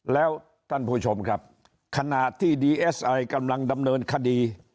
แล้วท่านผู้ชมครับขณะที่ดีเอสไอกำลังดำเนินคดี